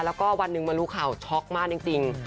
แล้วก็วันหนึ่งมารู้ข่าวช็อกมากจริง